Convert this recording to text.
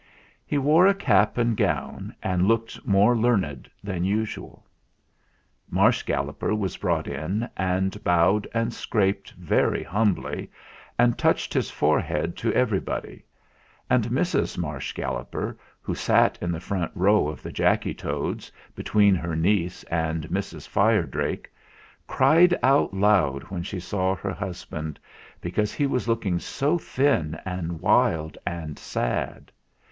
He wore a cap and gown, and looked more learned than usual. Marsh Galloper was brought in, and bowed and scraped very humbly, and touched his fore head to everybody; and Mrs. Marsh Galloper, 234 THE FLINT HEART who sat in the front row of the Jacky Toads, between her niece and Mrs. Fire Drake, cried out loud when she saw her husband, because he was looking so thin and wild and sad.